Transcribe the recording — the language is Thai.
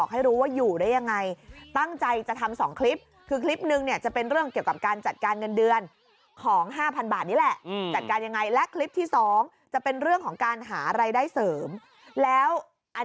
ให้รู้ว่าอยู่ได้ยังไงตั้งใจจะทำ๒คลิปคือคลิปนึงเนี่ยจะเป็นเรื่องเกี่ยวกับการจัดการเงินเดือนของ๕๐๐บาทนี่แหละจัดการยังไงและคลิปที่๒จะเป็นเรื่องของการหารายได้เสริมแล้วอัน